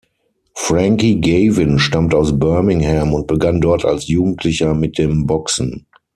Frankie Gavin stammt aus Birmingham und begann dort als Jugendlicher mit dem Boxen.